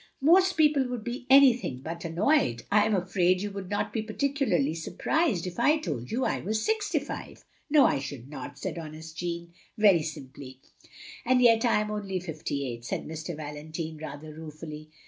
"Most people would be anything but annoyed. 68 THE LONELY LADY I am afraid you would not be particularly surprised if I told you I was sixty five." "No, I shotild not," said honest Jeanne, very simply. "And yet I am only fifty eight," said Mr. Valentine, rather ruefully.